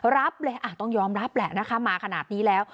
รับเลยต้องยอมรับแหละนะคะมาขนาดนี้แล้ว